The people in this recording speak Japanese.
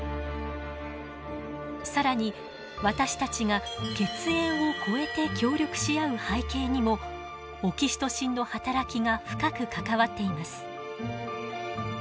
更に私たちが血縁を超えて協力し合う背景にもオキシトシンの働きが深く関わっています。